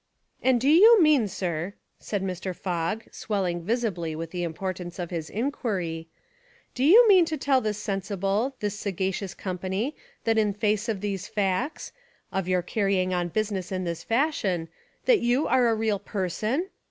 "And do you mean, sir," said Mr. Fogg, swelling visibly with the Importance of his in quiry, "do you mean to tell this sensible, this sagacious company that In face of these facts, — of your carrying on business In this fashion, that you are a real person?